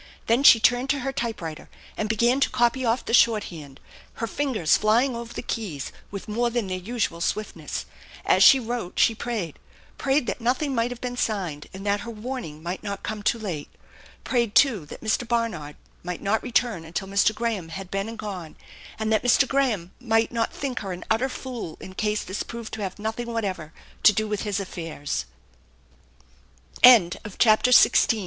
Then she turned to her typewriter and began to copy off the shorthand, her fingers flying over the keys with more than their usual swift ness. As she wrote she prayed, prayed that nothing might have been signed, and that her warning might not come too late; prayed, too, that Mr. Barnard might not return until Mr. Graham had been and gone, and that Mr. Graham might not think her an utter fool in case this proved to ha